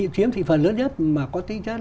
chiếm thì phần lớn nhất mà có tính chất